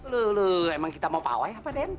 loh emang kita mau pawai apa raden